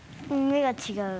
目が違う。